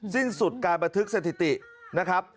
สิ้นสุดการบันทึกสถิตินะครับ